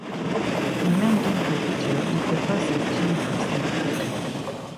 The main gameplay feature is the bosses change from stage to stage.